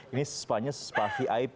ini spanya spa vip